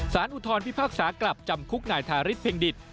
อุทธรพิพากษากลับจำคุกนายทาริสเพ็งดิต